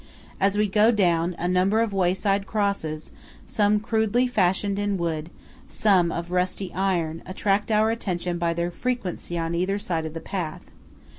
As we go down, a number of wayside crosses, some rudely fashioned in wood, some of rusty iron, attract our attention by their frequency on either side of the path.